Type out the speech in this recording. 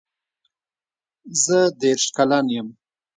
زه دېرش کلن یم